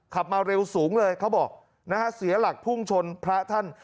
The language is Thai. มาเร็วสูงเลยเขาบอกนะฮะเสียหลักพุ่งชนพระท่าน